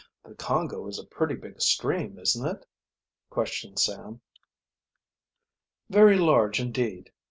"The Congo is a pretty big stream, isn't it?" questioned Sam. "Very large indeed.